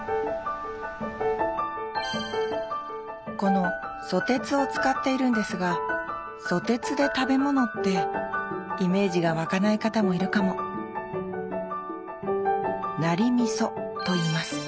このソテツを使っているんですがソテツで食べ物ってイメージが湧かない方もいるかもナリ味噌といいます。